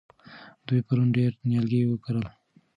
دوی پرون ډېر نیالګي وکرل.